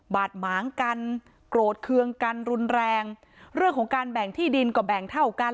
ดหมางกันโกรธเคืองกันรุนแรงเรื่องของการแบ่งที่ดินก็แบ่งเท่ากัน